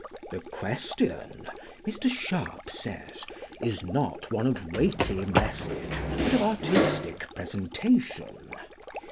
"The question," Mr. Sharp says, "is not one of weighty message, but of artistic presentation."